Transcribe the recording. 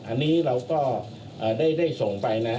อันนี้เราก็ได้ส่งไปนะฮะ